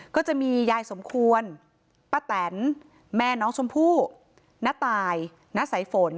ก็จะมียายสมควรป้าแตนแม่น้องสมผู้ณแตร์ณไสฝน